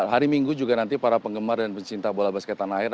hari minggu juga nanti para penggemar dan pencinta bola basket tanah air